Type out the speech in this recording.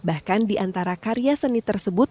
bahkan di antara karya seni tersebut